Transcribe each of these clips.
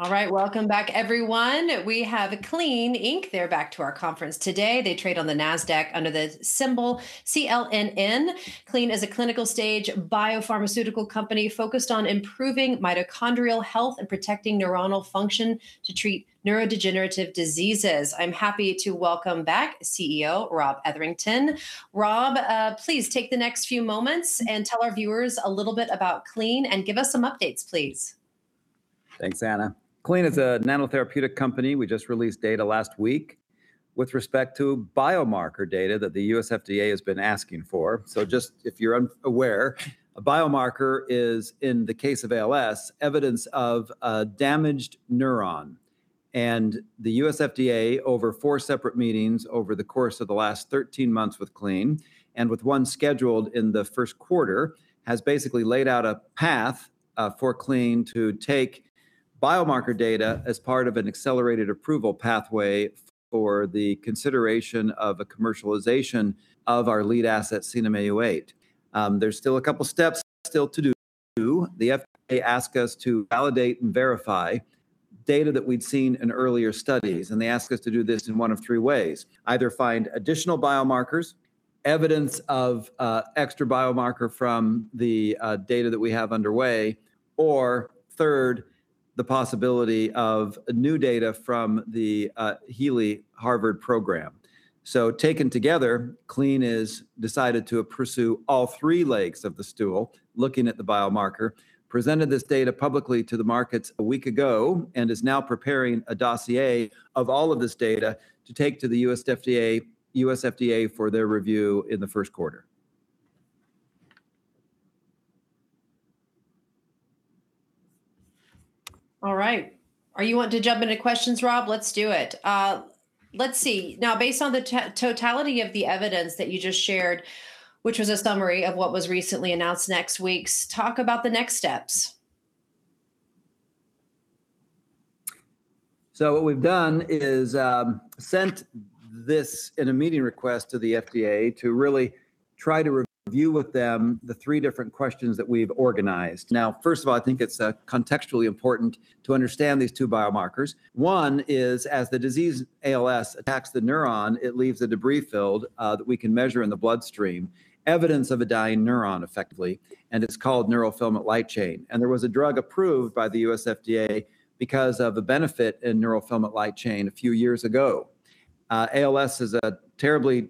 All right, welcome back, everyone. We have Clene Inc. They're back to our conference today. They trade on the NASDAQ under the symbol CLNN. Clene is a clinical stage biopharmaceutical company focused on improving mitochondrial health and protecting neuronal function to treat neurodegenerative diseases. I'm happy to welcome back CEO Rob Etherington. Rob, please take the next few moments and tell our viewers a little bit about Clene and give us some updates, please. Thanks, Anna. Clene is a nanotherapeutic company. We just released data last week with respect to biomarker data that the U.S. FDA has been asking for. So just if you're unaware, a biomarker is, in the case of ALS, evidence of a damaged neuron. And the U.S. FDA, over four separate meetings over the course of the last 13 months with Clene, and with one scheduled in the first quarter, has basically laid out a path for Clene to take biomarker data as part of an accelerated approval pathway for the consideration of a commercialization of our lead asset, CNM-Au8. There's still a couple of steps still to do. The FDA asked us to validate and verify data that we'd seen in earlier studies. And they asked us to do this in one of three ways: either find additional biomarkers, evidence of extra biomarker from the data that we have underway, or third, the possibility of new data from the Healey Harvard program. So taken together, Clene has decided to pursue all three legs of the stool, looking at the biomarker, presented this data publicly to the markets a week ago, and is now preparing a dossier of all of this data to take to the U.S. FDA for their review in the first quarter. All right. Are you wanting to jump into questions, Rob? Let's do it. Let's see. Now, based on the totality of the evidence that you just shared, which was a summary of what was recently announced next week's, talk about the next steps. So what we've done is sent this in a meeting request to the FDA to really try to review with them the three different questions that we've organized. Now, first of all, I think it's contextually important to understand these two biomarkers. One is, as the disease ALS attacks the neuron, it leaves a debris field that we can measure in the bloodstream, evidence of a dying neuron effectively. And it's called neurofilament light chain. And there was a drug approved by the U.S. FDA because of the benefit in neurofilament light chain a few years ago. ALS is a terribly...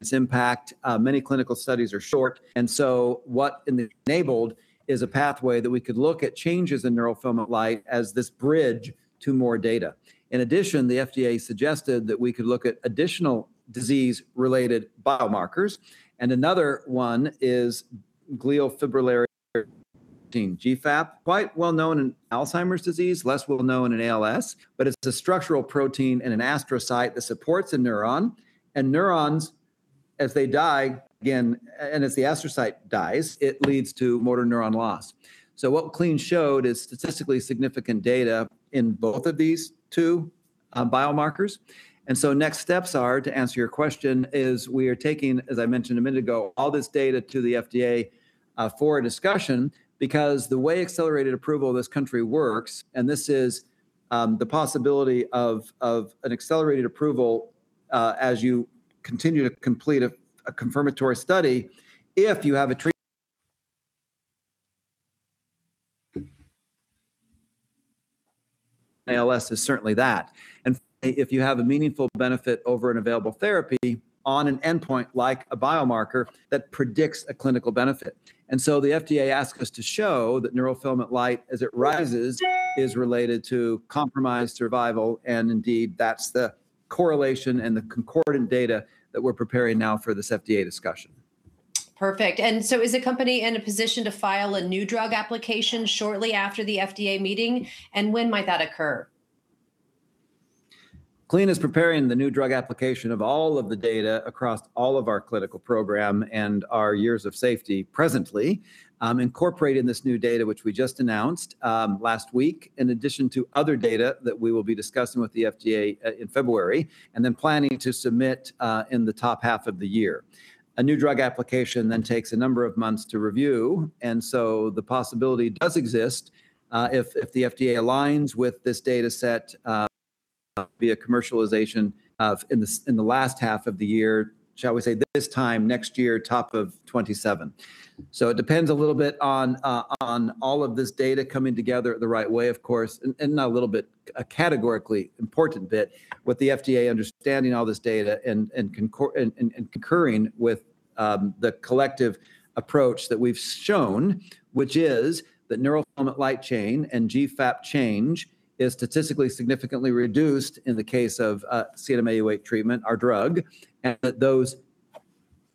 its impact, many clinical studies are short. And so what enabled is a pathway that we could look at changes in neurofilament light as this bridge to more data. In addition, the FDA suggested that we could look at additional disease-related biomarkers. And another one is glial fibrillary protein, GFAP, quite well known in Alzheimer's disease, less well known in ALS, but it's a structural protein in an astrocyte that supports a neuron. And neurons, as they die, again, and as the astrocyte dies, it leads to motor neuron loss. So what Clene showed is statistically significant data in both of these two biomarkers. And so next steps are, to answer your question, we are taking, as I mentioned a minute ago, all this data to the FDA for discussion because the way accelerated approval in this country works, and this is the possibility of an accelerated approval as you continue to complete a confirmatory study, if you have a treatment... ALS is certainly that. And if you have a meaningful benefit over an available therapy on an endpoint like a biomarker that predicts a clinical benefit. And so the FDA asked us to show that neurofilament light, as it rises, is related to compromised survival. And indeed, that's the correlation and the concordant data that we're preparing now for this FDA discussion. Perfect. And so is the company in a position to file a New Drug Application shortly after the FDA meeting? And when might that occur? Clene is preparing the new drug application of all of the data across all of our clinical program and our years of safety presently, incorporating this new data, which we just announced last week, in addition to other data that we will be discussing with the FDA in February, and then planning to submit in the top half of the year. A new drug application then takes a number of months to review, and so the possibility does exist if the FDA aligns with this data set via commercialization in the last half of the year, shall we say, this time next year, top of 2027. So it depends a little bit on all of this data coming together the right way, of course, and a little bit, a categorically important bit, with the FDA understanding all this data and concurring with the collective approach that we've shown, which is that neurofilament light chain and GFAP change is statistically significantly reduced in the case of CNM-Au8 treatment, our drug, and that those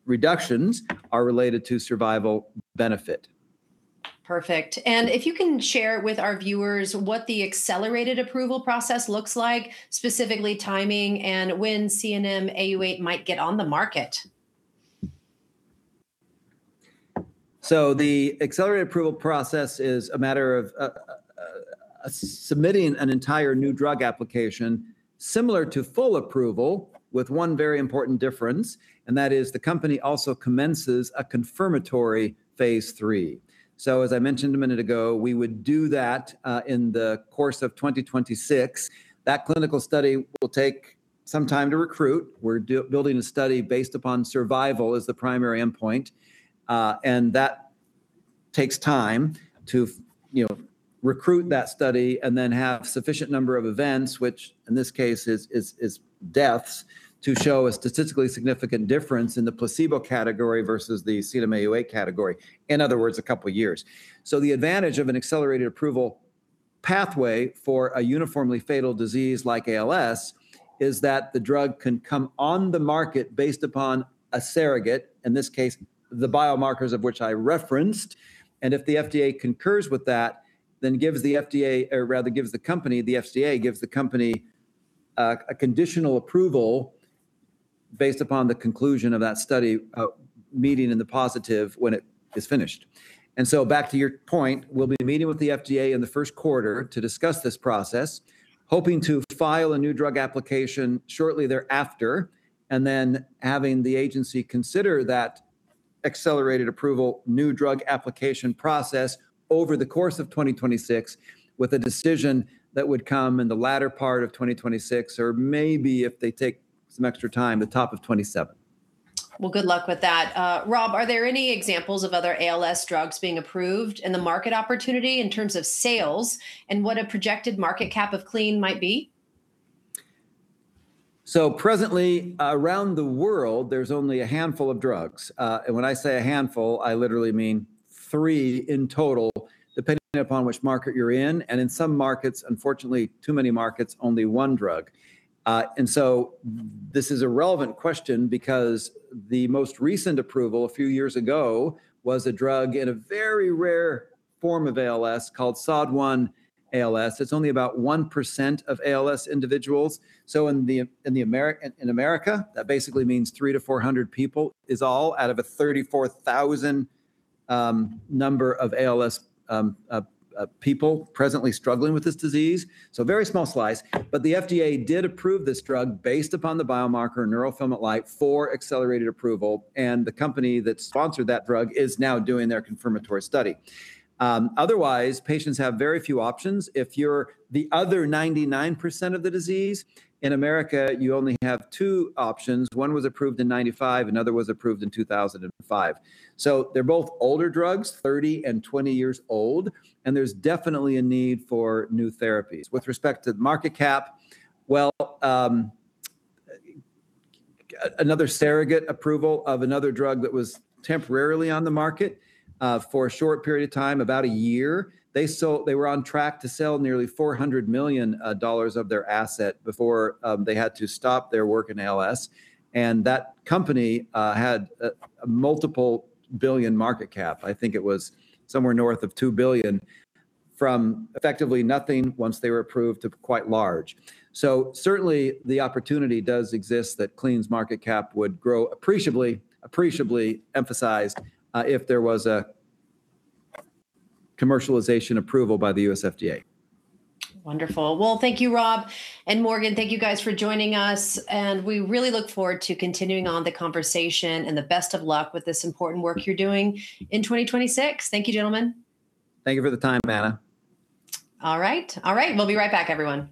reductions are related to survival benefit. Perfect. And if you can share with our viewers what the accelerated approval process looks like, specifically timing and when CNM-Au8 might get on the market. So the accelerated approval process is a matter of submitting an entire new drug application similar to full approval with one very important difference, and that is the company also commences a confirmatory phase 3. So as I mentioned a minute ago, we would do that in the course of 2026. That clinical study will take some time to recruit. We're building a study based upon survival as the primary endpoint. And that takes time to recruit that study and then have a sufficient number of events, which in this case is deaths, to show a statistically significant difference in the placebo category versus the CNM-Au8 category. In other words, a couple of years. So the advantage of an accelerated approval pathway for a uniformly fatal disease like ALS is that the drug can come on the market based upon a surrogate, in this case, the biomarkers of which I referenced. And if the FDA concurs with that, then gives the FDA, or rather gives the company, the FDA gives the company a conditional approval based upon the conclusion of that study meeting in the positive when it is finished. And so back to your point, we'll be meeting with the FDA in the first quarter to discuss this process, hoping to file a new drug application shortly thereafter, and then having the agency consider that accelerated approval new drug application process over the course of 2026 with a decision that would come in the latter part of 2026, or maybe if they take some extra time, the top of 2027. Well, good luck with that. Rob, are there any examples of other ALS drugs being approved and the market opportunity in terms of sales and what a projected market cap of Clene might be? So presently, around the world, there's only a handful of drugs. And when I say a handful, I literally mean three in total, depending upon which market you're in. And in some markets, unfortunately, too many markets, only one drug. And so this is a relevant question because the most recent approval a few years ago was a drug in a very rare form of ALS called SOD1 ALS. It's only about 1% of ALS individuals. So in America, that basically means 300-400 people is all out of a 34,000 number of ALS people presently struggling with this disease. So very small slice. But the FDA did approve this drug based upon the biomarker neurofilament light for accelerated approval. And the company that sponsored that drug is now doing their confirmatory study. Otherwise, patients have very few options. If you're the other 99% of the disease in America, you only have two options. One was approved in 1995. Another was approved in 2005. So they're both older drugs, 30 and 20 years old. And there's definitely a need for new therapies. With respect to the market cap, well, another surrogate approval of another drug that was temporarily on the market for a short period of time, about a year. They were on track to sell nearly $400 million of their asset before they had to stop their work in ALS. And that company had a multiple billion market cap. I think it was somewhere north of $2 billion from effectively nothing once they were approved to quite large. So certainly, the opportunity does exist that Clene's market cap would grow appreciably, appreciably emphasized if there was a commercialization approval by the U.S. FDA. Wonderful. Well, thank you, Rob. And Morgan, thank you guys for joining us. And we really look forward to continuing on the conversation and the best of luck with this important work you're doing in 2026. Thank you, gentlemen. Thank you for the time, Anna. All right. All right, we'll be right back, everyone.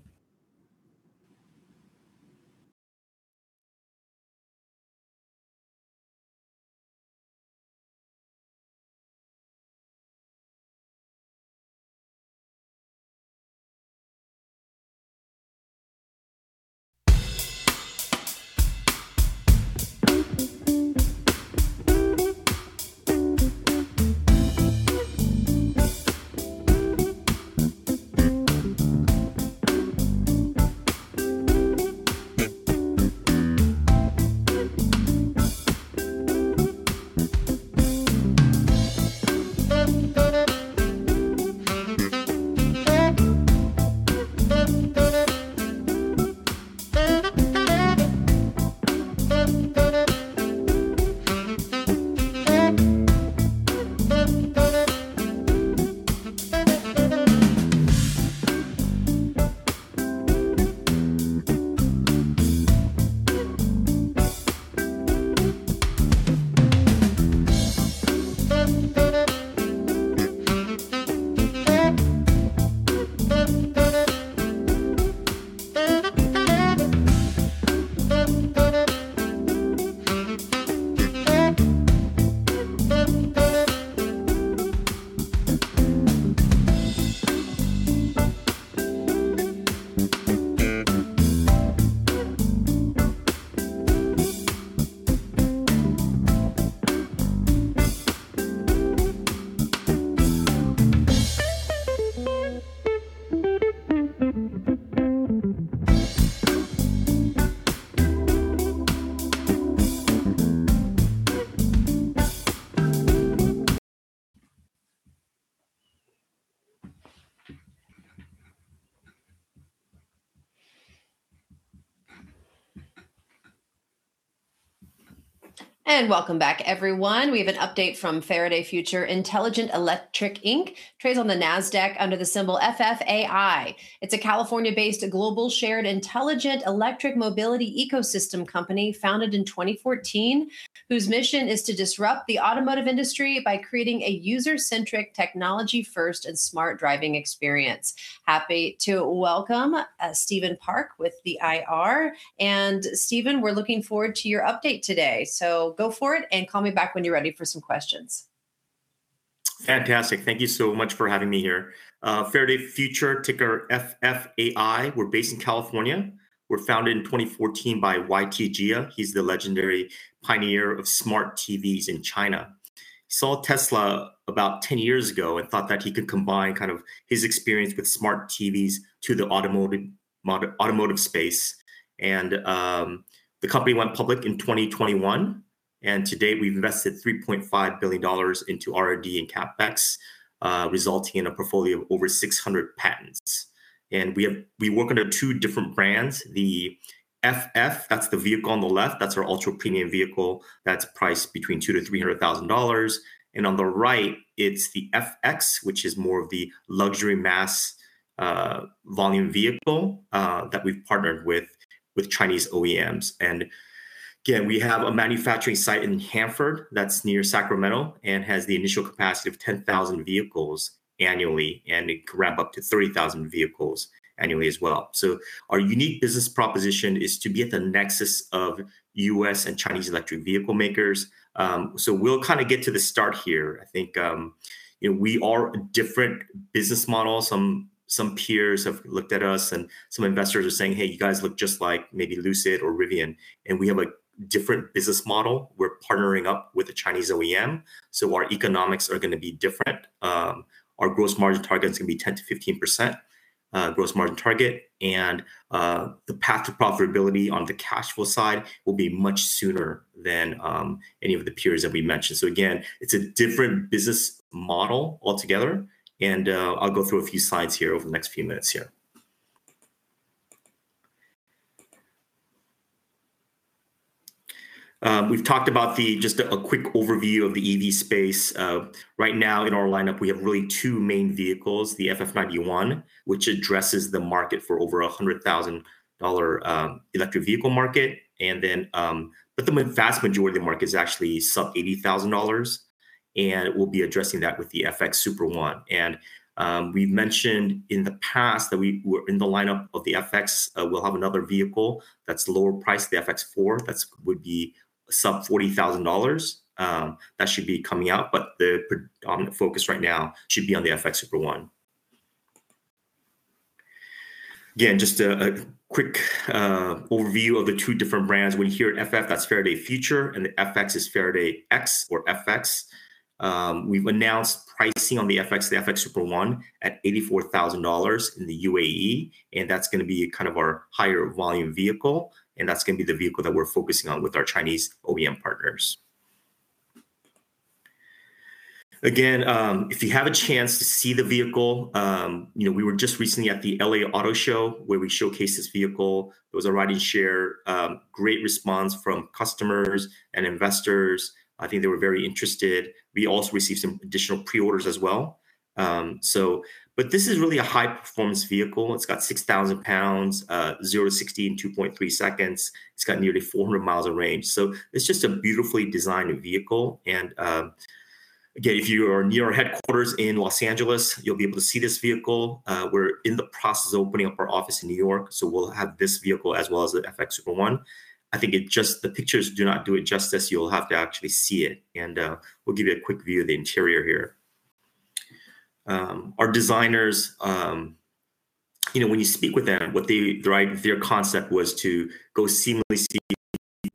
And welcome back, everyone. We have an update from Faraday Future Intelligent Electric Inc. Trades on the NASDAQ under the symbol FFAI. It's a California-based global shared intelligent electric mobility ecosystem company founded in 2014 whose mission is to disrupt the automotive industry by creating a user-centric technology-first and smart driving experience. Happy to welcome Steven Park with the IR. And Steven, we're looking forward to your update today. So go for it and call me back when you're ready for some questions. Fantastic. Thank you so much for having me here. Faraday Future, ticker FFAI. We're based in California. We're founded in 2014 by YT Jia. He's the legendary pioneer of smart TVs in China. He saw Tesla about 10 years ago and thought that he could combine kind of his experience with smart TVs to the automotive space, and the company went public in 2021, and today, we've invested $3.5 billion into R&D and CapEx, resulting in a portfolio of over 600 patents, and we work under two different brands. The FF, that's the vehicle on the left, that's our ultra-premium vehicle that's priced between $200,000-$300,000, and on the right, it's the FX, which is more of the luxury mass volume vehicle that we've partnered with Chinese OEMs, and again, we have a manufacturing site in Hanford that's near Sacramento and has the initial capacity of 10,000 vehicles annually. And it could ramp up to 30,000 vehicles annually as well. So our unique business proposition is to be at the nexus of U.S. and Chinese electric vehicle makers. So we'll kind of get to the start here. I think we are a different business model. Some peers have looked at us and some investors are saying, "Hey, you guys look just like maybe Lucid or Rivian." And we have a different business model. We're partnering up with a Chinese OEM. So our economics are going to be different. Our gross margin target is going to be 10%-15% gross margin target. And the path to profitability on the cash flow side will be much sooner than any of the peers that we mentioned. So again, it's a different business model altogether. And I'll go through a few slides here over the next few minutes here. We've talked about just a quick overview of the EV space. Right now, in our lineup, we have really two main vehicles, the FF 91, which addresses the market for over $100,000 electric vehicle market. And then the vast majority of the market is actually sub $80,000. And we'll be addressing that with the FX Super One. And we've mentioned in the past that in the lineup of the FX, we'll have another vehicle that's lower priced, the FX4, that would be sub $40,000. That should be coming out. But the predominant focus right now should be on the FX Super One. Again, just a quick overview of the two different brands. When you hear FF, that's Faraday Future. And the FX is Faraday X or FX. We've announced pricing on the FX, the FX Super One, at $84,000 in the UAE. And that's going to be kind of our higher volume vehicle. And that's going to be the vehicle that we're focusing on with our Chinese OEM partners. Again, if you have a chance to see the vehicle, we were just recently at the LA Auto Show where we showcased this vehicle. It was a ride-and-share. Great response from customers and investors. I think they were very interested. We also received some additional pre-orders as well. But this is really a high-performance vehicle. It's got 6,000 lbs, 0-60 in 2.3 seconds. It's got nearly 400 mi of range. So it's just a beautifully designed vehicle. And again, if you are near our headquarters in Los Angeles, you'll be able to see this vehicle. We're in the process of opening up our office in New York. So we'll have this vehicle as well as the FX Super One. I think just the pictures do not do it justice. You'll have to actually see it, and we'll give you a quick view of the interior here. Our designers, when you speak with them, their concept was to go seamlessly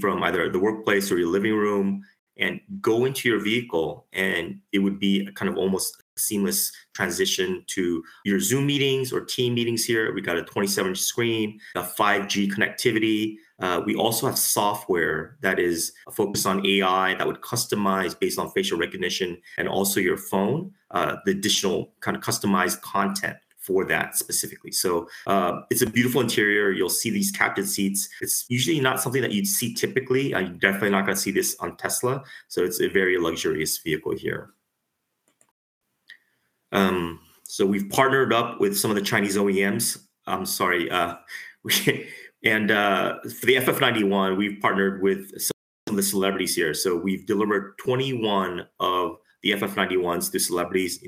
from either the workplace or your living room and go into your vehicle, and it would be a kind of almost seamless transition to your Zoom meetings or team meetings here. We've got a 27-inch screen, 5G connectivity. We also have software that is focused on AI that would customize based on facial recognition and also your phone, the additional kind of customized content for that specifically, so it's a beautiful interior. You'll see these captain seats. It's usually not something that you'd see typically. You're definitely not going to see this on Tesla, so it's a very luxurious vehicle here. So we've partnered up with some of the Chinese OEMs. I'm sorry. And for the FF 91, we've partnered with some of the celebrities here. So we've delivered 21 of the FF 91s to celebrities,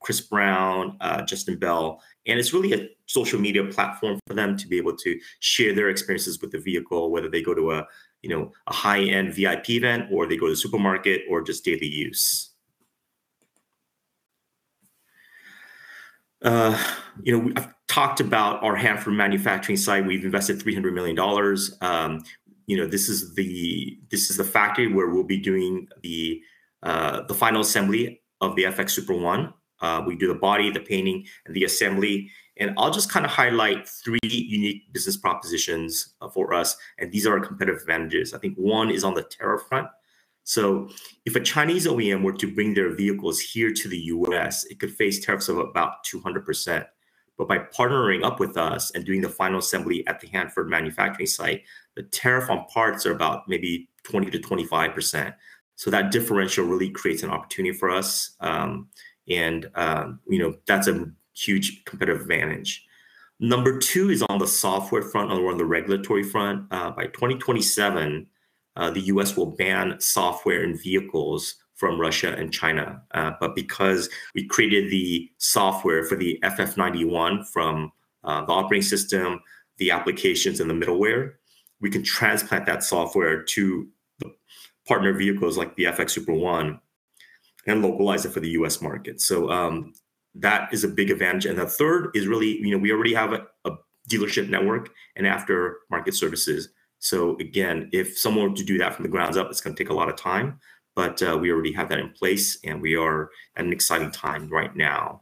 Chris Brown, Justin Bell. And it's really a social media platform for them to be able to share their experiences with the vehicle, whether they go to a high-end VIP event or they go to the supermarket or just daily use. I've talked about our Hanford manufacturing site. We've invested $300 million. This is the factory where we'll be doing the final assembly of the FX Super One. We do the body, the painting, and the assembly. And I'll just kind of highlight three unique business propositions for us. And these are our competitive advantages. I think one is on the tariff front. So if a Chinese OEM were to bring their vehicles here to the U.S., it could face tariffs of about 200%. But by partnering up with us and doing the final assembly at the Hanford manufacturing site, the tariff on parts are about maybe 20%-25%. So that differential really creates an opportunity for us. And that's a huge competitive advantage. Number two is on the software front or on the regulatory front. By 2027, the U.S. will ban software in vehicles from Russia and China. But because we created the software for the FF 91 from the operating system, the applications, and the middleware, we can transplant that software to partner vehicles like the FX Super One and localize it for the U.S. market. So that is a big advantage. And the third is really we already have a dealership network and aftermarket services. So again, if someone were to do that from the grounds up, it's going to take a lot of time. But we already have that in place. And we are at an exciting time right now.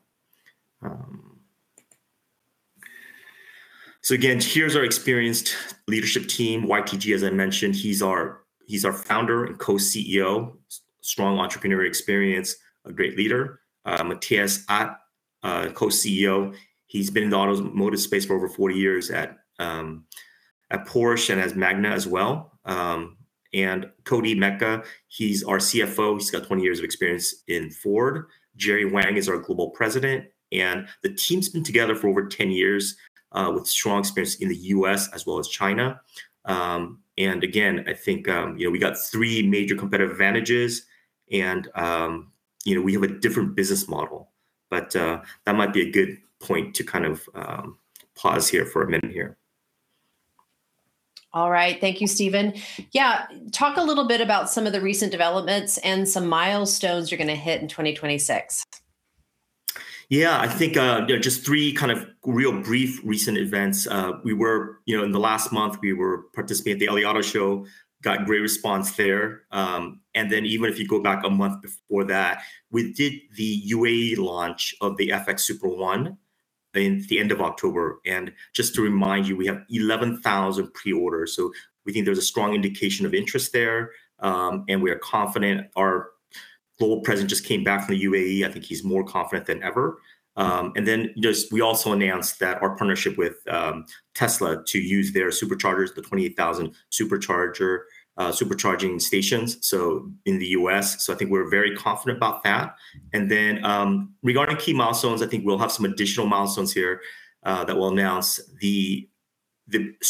So again, here's our experienced leadership team. YT Jia, as I mentioned, he's our founder and Co-CEO. Strong entrepreneurial experience, a great leader. Matthias Aydt, Co-CEO. He's been in the automotive space for over 40 years at Porsche and at Magna as well. And Koti Meka. He's our CFO. He's got 20 years of experience in Ford. Jerry Wang is our Global President. And the team's been together for over 10 years with strong experience in the U.S. as well as China. And again, I think we've got three major competitive advantages. And we have a different business model. But that might be a good point to kind of pause here for a minute here. All right. Thank you, Steven. Yeah, talk a little bit about some of the recent developments and some milestones you're going to hit in 2026. Yeah, I think just three kind of real brief recent events. In the last month, we were participating at the LA Auto Show. Got great response there. And then even if you go back a month before that, we did the UAE launch of the FX Super One at the end of October. And just to remind you, we have 11,000 pre-orders. So we think there's a strong indication of interest there. And we are confident, our global president just came back from the UAE. I think he's more confident than ever. And then we also announced our partnership with Tesla to use their superchargers, the 28,000 supercharging stations, so in the U.S. So I think we're very confident about that. And then regarding key milestones, I think we'll have some additional milestones here that we'll announce. The FX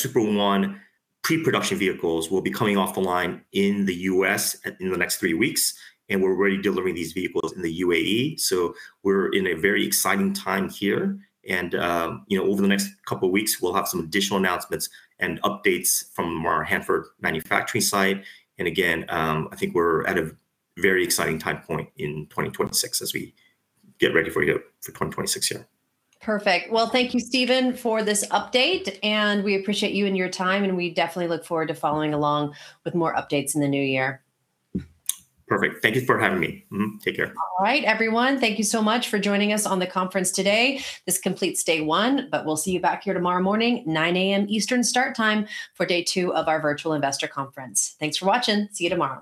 Super One pre-production vehicles will be coming off the line in the U.S. in the next three weeks. And we're already delivering these vehicles in the UAE. So we're in a very exciting time here. And over the next couple of weeks, we'll have some additional announcements and updates from our Hanford manufacturing site. And again, I think we're at a very exciting time point in 2026 as we get ready for 2026 here. Perfect. Well, thank you, Steven, for this update. And we appreciate you and your time. And we definitely look forward to following along with more updates in the new year. Perfect. Thank you for having me. Take care. All right, everyone. Thank you so much for joining us on the conference today. This completes day one. But we'll see you back here tomorrow morning, 9:00 A.M. Eastern start time for day two of our virtual investor conference. Thanks for watching. See you tomorrow.